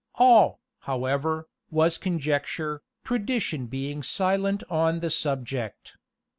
All, however, was conjecture, tradition being silent on the subject.